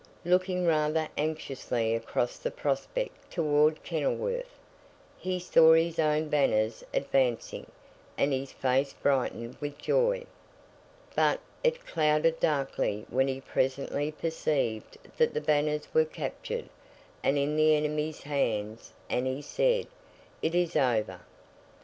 Looking rather anxiously across the prospect towards Kenilworth, he saw his own banners advancing; and his face brightened with joy. But, it clouded darkly when he presently perceived that the banners were captured, and in the enemy's hands; and he said, 'It is over.